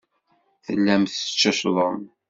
Tellam tetteccḍem.